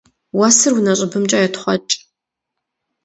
Уэсыр унэ щӏыбымкӏэ етхъуэкӏ.